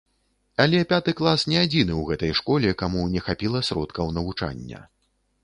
Але пяты клас не адзіны ў гэтай школе, каму не хапіла сродкаў навучання.